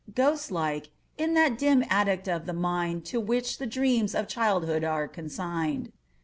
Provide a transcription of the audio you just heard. Ghost like, in that dim attic of the mind To which the dreams of childhood are consigned.